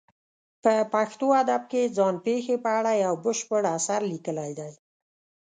په پښتو ادب کې ځان پېښې په اړه یو بشپړ اثر لیکلی دی.